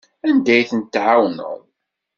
Anda ay tent-tɛawneḍ?